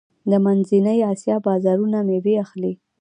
د منځنۍ اسیا بازارونه میوې اخلي.